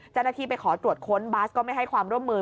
เจ้าหน้าที่ไปขอตรวจค้นบาสก็ไม่ให้ความร่วมมือ